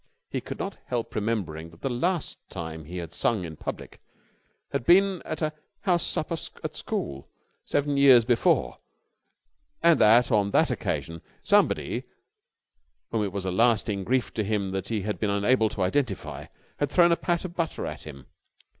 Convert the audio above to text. He could not help remembering that the last time he had sung in public had been at a house supper at school, seven years before, and that on that occasion somebody whom it was a lasting grief to him that he had been unable to identify had thrown a pat of butter at him.